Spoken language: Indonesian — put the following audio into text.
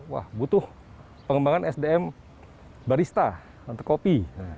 wah butuh pengembangan sdm barista anti kopi